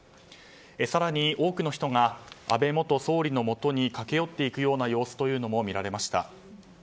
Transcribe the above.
更に多くの人が安倍元総理のもとに駆け寄っていくような様子というのも見られました。